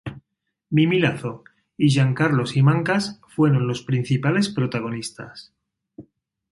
Mimí Lazo y Jean Carlo Simancas fueron los principales protagonistas.